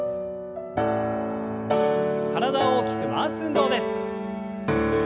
体を大きく回す運動です。